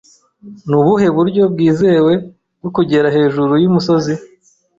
Nubuhe buryo bwizewe bwo kugera hejuru yumusozi?